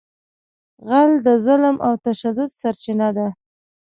غل د ظلم او تشدد سرچینه ده